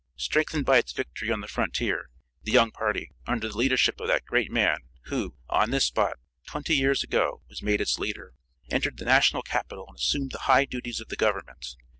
Strengthened by its victory on the frontier, the young party, under the leadership of that great man who, on this spot, twenty years ago, was made its leader, entered the national capitol and assumed the high duties of the government.